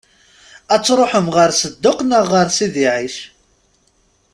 Ad tṛuḥemt ɣer Sedduq neɣ ɣer Sidi Ɛic?